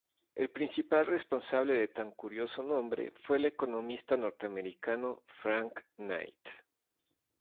El principal responsable de tan curioso nombre fue el economista norteamericano Frank Knight.